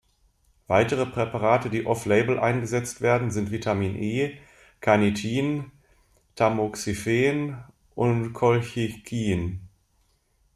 Weitere Präparate die off-label eingesetzt werden sind Vitamin E, Carnitin, Tamoxifen und Colchicin.